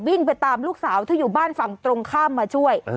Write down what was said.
ไปตามลูกสาวที่อยู่บ้านฝั่งตรงข้ามมาช่วย